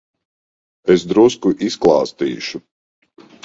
Es drusku izklāstīšu.